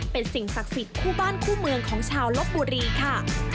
เป็นสิ่งศักดิ์สิทธิ์คู่บ้านคู่เมืองของชาวลบบุรีค่ะ